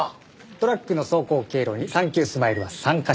トラックの走行経路に３９スマイルは３カ所。